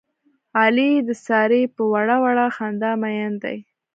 علي د سارې په وړه وړه خندا مین دی.